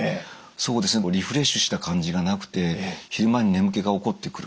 そうですねリフレッシュした感じがなくて昼間に眠気が起こってくる。